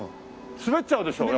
滑っちゃうでしょ。